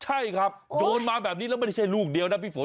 ใช่ครับโดนมาแบบนี้แล้วไม่ใช่ลูกเดียวนะพี่ฝน